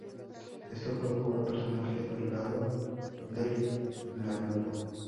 Esto coloca al personaje del lado de la Nuevo.